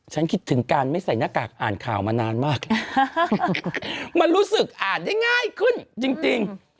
คิดถึงการไม่ใส่หน้ากากอ่านข่าวมานานมากมันรู้สึกอ่านได้ง่ายขึ้นจริง